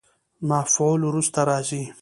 مفعول وروسته راځي.